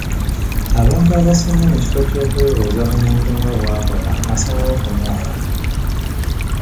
Abantu abasinga mu kifo ky'okwebuuza ku muntu nga bw'akola asalawo kumuwalana.